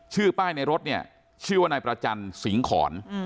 ชื่อป้ายในรถเนี่ยชื่อว่าแนนสิงขร